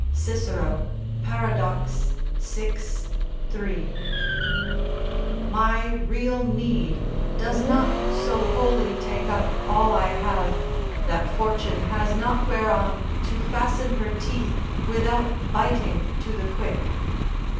Cicero, Paradox, vi. 3.] My real need does not so wholly take up all I have, that Fortune has not whereon to fasten her teeth without biting to the quick.